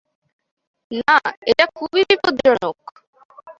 না, এটা খুবই বিপজ্জনক।